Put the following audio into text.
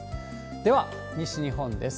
では、西日本です。